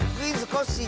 コッシー」